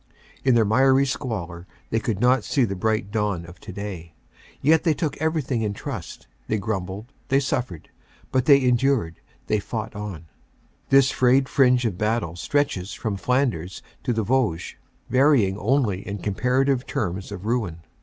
In their miry squalor they could not see the bright dawn of today. Yet they took everything in trust. They grumbled ; they suffered ; but they endured ; they fought on. * This frayed fringe of battle stretches from Flanders to the Vosges, varying only in comparative terms of ruin.